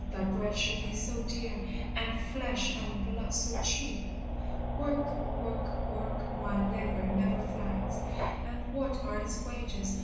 that bread should be so dear, And flesh and blood so cheap! "Work work work My labor never flags; And what are its wages?